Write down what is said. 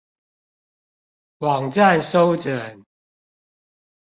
網站收整